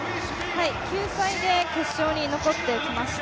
救済で決勝に残ってきました。